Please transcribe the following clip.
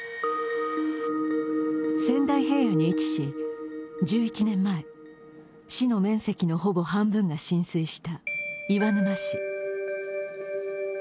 仙台平野に位置し、１１年前、市の面積のほぼ半分が浸水した岩沼市。